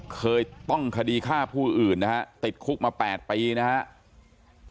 เคยต้องคดีฆ่าผู้อื่นนะฮะติดคุกมา๘ปีนะครับ